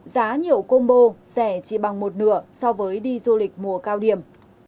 giá nhiều combo rẻ chỉ bằng một nửa so với đi du lịch mùa cao điểm